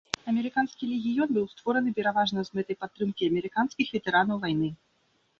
Амерыканскі легіён быў створаны пераважна з мэтай падтрымкі амерыканскіх ветэранаў вайны.